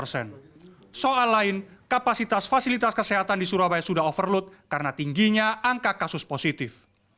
soal lain kapasitas fasilitas kesehatan di surabaya sudah overload karena tingginya angka kasus positif